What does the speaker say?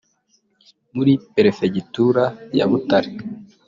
muri Perefegitura ya Butare